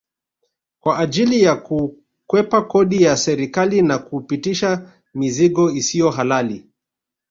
Kwa ajili ya kukwepa kodi ya serikali na kupitisha mizigo isiyo halali